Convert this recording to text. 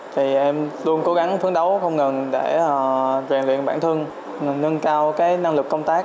thì em luôn cố gắng phấn đấu không ngừng để rèn luyện bản thân nâng cao cái năng lực công tác